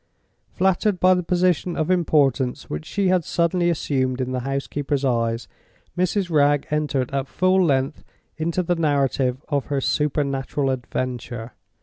Flattered by the position of importance which she had suddenly assumed in the housekeeper's eyes, Mrs. Wragge entered at full length into the narrative of her supernatural adventure.